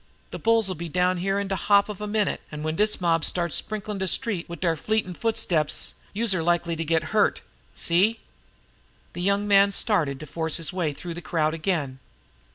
De bulls'll be down here on de hop in a minute, an' w'en dis mob starts sprinklin' de street wid deir fleetin' footsteps, youse are likely to get hurt. See?" The young man started to force his way through the crowd again.